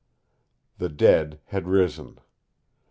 The dead had risen.